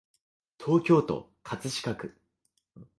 東京都葛飾区